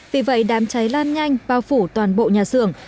vì vậy đám cháy lan nhanh bao phủ toàn bộ nhà xưởng